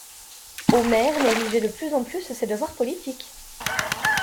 Omer négligeait de plus en plus ses devoirs politiques.